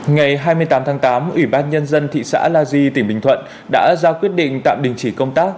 ngày hai mươi tám tháng tám ủy ban nhân dân thị xã la di tỉnh bình thuận đã ra quyết định tạm đình chỉ công tác